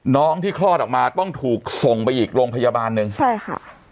น้องที่คลอดออกมาต้องถูกส่งไปอีกโรงพยาบาลหนึ่งใช่ค่ะ